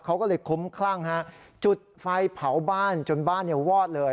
เขาก็เลยคุ้มคลั่งฮะจุดไฟเผาบ้านจนบ้านเนี่ยวอดเลย